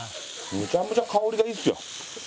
めちゃめちゃ香りがいいっすよ。